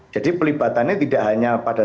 jadi pelibatannya tidak hanya pada